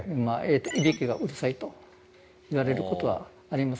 いびきがうるさいと言われることはあります